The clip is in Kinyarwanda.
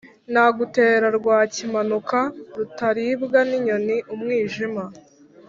Nagutera Rwakimanuka rutaribwa n'inyoni-Umwijima.